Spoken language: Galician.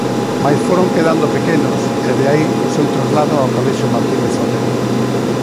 Mais foron quedando pequenos, e de aí o seu traslado ao colexio Martínez Otero.